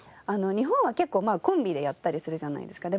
日本は結構コンビでやったりするじゃないですか。